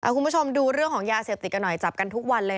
คุณผู้ชมดูเรื่องของยาเสพติดกันหน่อยจับกันทุกวันเลย